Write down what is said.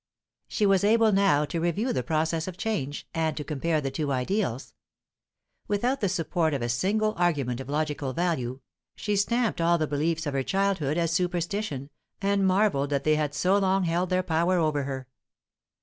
She was able now to review the process of change, and to compare the two ideals. Without the support of a single argument of logical value, she stamped all the beliefs of her childhood as superstition, and marvelled that they had so long held their power over her.